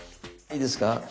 いいですか？